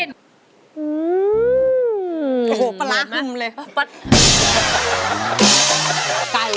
โหปลาหุ่มเลย